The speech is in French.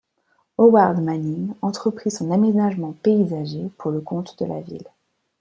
Howard Manning entreprit son aménagement paysager pour le compte de la ville.